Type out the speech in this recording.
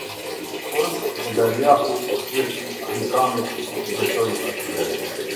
Por Gedaliahu, bir i Ahikamit, nuk u besoi atyre.